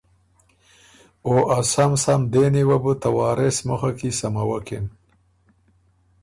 او ا سم سم دېنی وه بو ته وارث مُخه کی سموکِن